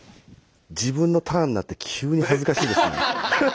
自分のターンになって急に恥ずかしいですね。